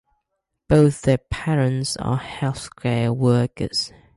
Both their parents are healthcare workers.